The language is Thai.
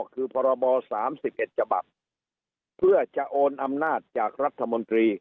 คือพรบสามสิบเอ็ดจบับเพื่อจะโอนอำนาจจากรัฐมนตรี